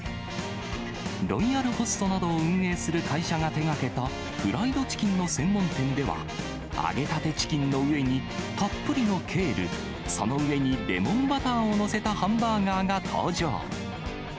ロイヤルホストなどを運営する会社が手がけたフライドチキンの専門店では、揚げたてチキンの上にたっぷりのケール、その上にレモンバターを載せたハンバーガーが登場。